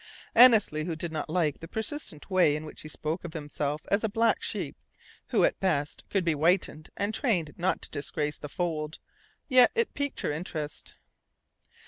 Annesley did not like the persistent way in which he spoke of himself as a black sheep who, at best, could be whitened, and trained not to disgrace the fold; yet it piqued her interest.